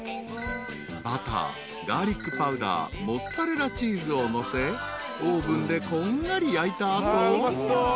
［バターガーリックパウダーモッツァレラチーズをのせオーブンでこんがり焼いた後］